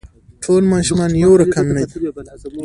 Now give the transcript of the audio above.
ټول ماشومان يو رقم نه دي.